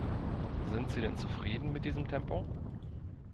Sind Sie denn zufrieden mit diesem Tempo?